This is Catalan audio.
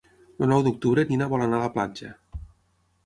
El nou d'octubre na Nina vol anar a la platja.